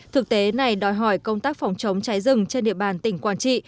thực tế này đòi hỏi công tác phòng chống cháy rừng trên địa bàn tỉnh quảng trị